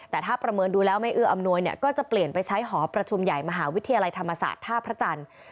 แต่ถ้าประเมินดูแล้วไม่เอื้ออำนวยเนี่ยก็จะเปลี่ยนไปใช้หอประชุมใหญ่มหาวิทยาลัยธรรมศาสตร์ท่าพระจันทร์